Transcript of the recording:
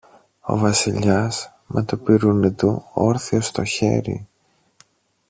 Ο Βασιλιάς, με το πιρούνι του όρθιο στο χέρι